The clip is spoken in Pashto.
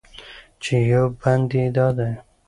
چې یو بند یې دا دی: